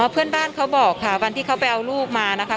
อ๋อเพื่อนบ้านเขาบอกค่ะวันที่เขาไปเอาลูกมานะคะ